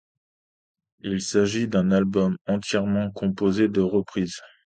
Il s'agit d'un album entièrement composé de reprise.